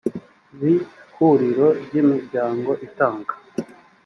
b ihuriro ry imiryango itanga